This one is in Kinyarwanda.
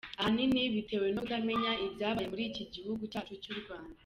Ahanini bitewe no kutamenya ibyabaye muri iki gihugu cyacu cy’u Rwanda.